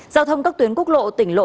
giao thông các tuyến quốc lộ tỉnh lộ